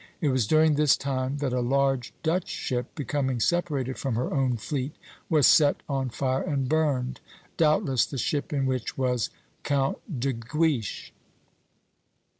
It was during this time that a large Dutch ship, becoming separated from her own fleet, was set on fire and burned, doubtless the ship in which was Count de Guiche.